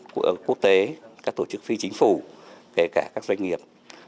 các tổ chức quốc tế các tổ chức phi chính phủ kể cả các doanh nghiệp